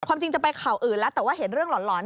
จริงจะไปข่าวอื่นแล้วแต่ว่าเห็นเรื่องหลอน